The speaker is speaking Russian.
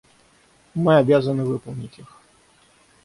Мы обязаны выполнять их.